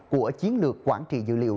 của chiến lược quản trị dữ liệu